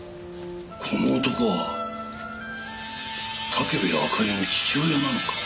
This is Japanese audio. この男は武部あかりの父親なのか？